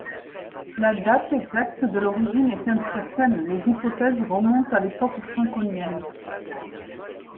La date exacte de l'origine est incertaine, les hypothèses remontent à l'époque franconienne.